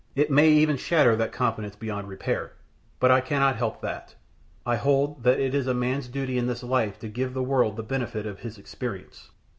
It may even shatter that confidence beyond repair; but I cannot help that. I hold that it is a man's duty in this life to give to the world the benefit of his experience.